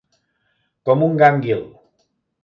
Com un gànguil.